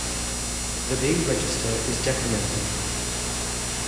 The B register is decremented.